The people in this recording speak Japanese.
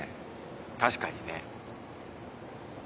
確かにね。